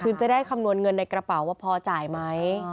คุณจะได้คำนวณเงินในกระเป๋าว่าพอจ่ายไหม